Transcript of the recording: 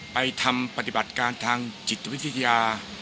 ทำปฏิบัติการทางจิตวิทยา